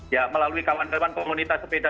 ya melalui kawan kawan komunitas sepeda